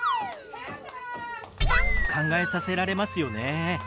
考えさせられますよね。